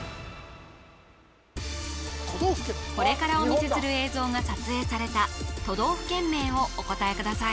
これからお見せする映像が撮影された都道府県名をお答えください